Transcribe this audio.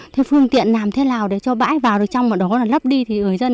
thế phương tiện làm thế nào để cho bãi vào được trong và đó là lấp đi thì người dân